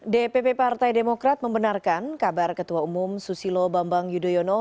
dpp partai demokrat membenarkan kabar ketua umum susilo bambang yudhoyono